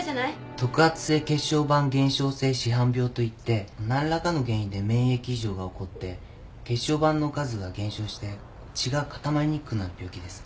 特発性血小板減少性紫斑病といって何らかの原因で免疫異常が起こって血小板の数が減少して血が固まりにくくなる病気です。